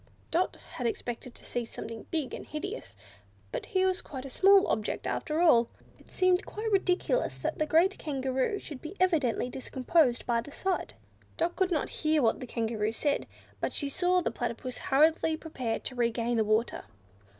Dot had expected to see something big and hideous; but here was quite a small object after all! It seemed quite ridiculous that the great Kangaroo should be evidently discomposed by the sight. Dot could not hear what the Kangaroo said, but she saw the Platypus hurriedly prepare to regain the water.